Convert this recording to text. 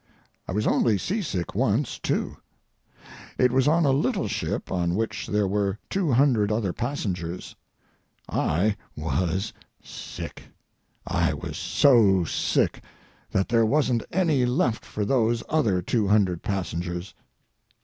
I was only seasick once, too. It was on a little ship on which there were two hundred other passengers. I—was—sick. I was so sick that there wasn't any left for those other two hundred passengers.